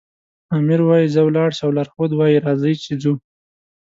آمر وایي ځه ولاړ شه او لارښود وایي راځئ چې ځو.